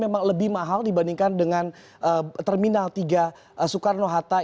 memang lebih mahal dibandingkan dengan terminal tiga soekarno hatta